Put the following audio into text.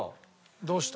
どうした？